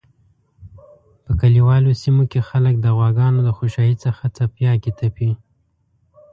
په کلیوالو سیمو کی خلک د غواګانو د خوشایی څخه څپیاکی تپی